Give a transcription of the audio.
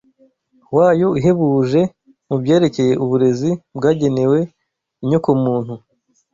wayo uhebuje mu byerekeye uburezi bwagenewe inyokomuntu.